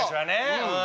うん。